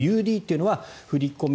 ＵＤというのは振り込め